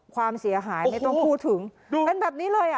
ความเสียหายไม่ต้องพูดถึงเป็นแบบนี้เลยอ่ะ